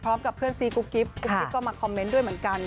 พร้อมกับเพื่อนซีกุ๊กกิ๊บกุ๊กกิ๊บก็มาคอมเมนต์ด้วยเหมือนกัน